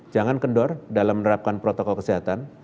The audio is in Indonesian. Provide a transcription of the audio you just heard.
jangan kendor dalam menerapkan protokol kesehatan